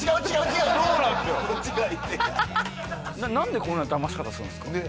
何でこんなだまし方すんですか？